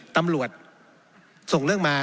ตำรวจส่งเรื่องมา